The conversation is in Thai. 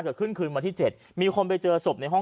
ชาวบ้านญาติโปรดแค้นไปดูภาพบรรยากาศขณะ